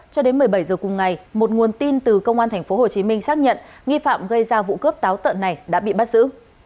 cho đến một mươi bảy h cùng ngày một nguồn tin từ công an tp hcm xác nhận nghi phạm gây ra vụ cướp táo tận này đã bị bắt giữ